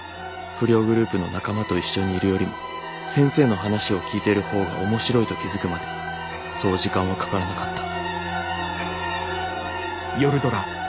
不良グループの仲間と一緒にいるよりも先生の話を聞いてるほうが面白いと気づくまでそう時間はかからなかった」。